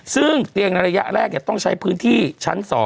ซึ่งเตียงในระยะแรกต้องใช้พื้นที่ชั้น๒